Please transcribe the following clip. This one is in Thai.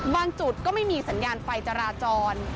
จุดก็ไม่มีสัญญาณไฟจราจร